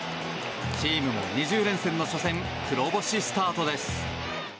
チームも２０連戦の初戦黒星スタートです。